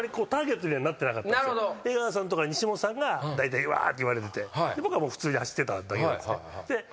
江川さんとか西本さんがだいたいわーって言われてて僕はもう普通に走ってただけなんですね。